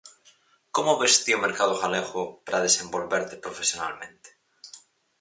Como ves ti o mercado galego para desenvolverte profesionalmente?